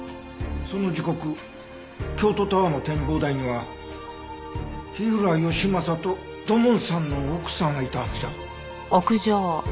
その時刻京都タワーの展望台には火浦義正と土門さんの奥さんがいたはずじゃ。